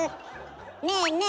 ねえねえ